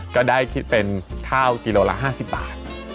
ก็ได้คิดเป็นข้าวกิโลละ๕๐บาท